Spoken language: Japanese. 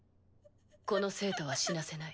この生徒は死なせない。